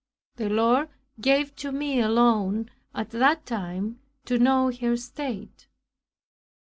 The Lord gave to me alone at that time to know her state.